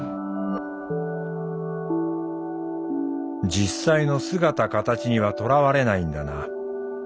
実際の姿カタチにはとらわれないんだな。